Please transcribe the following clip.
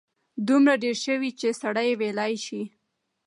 دومره ډېر شوي چې سړی ویلای شي.